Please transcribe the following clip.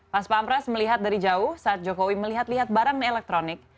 pas pampres melihat dari jauh saat jokowi melihat lihat barang elektronik